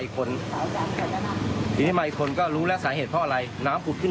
เขาก็มากบ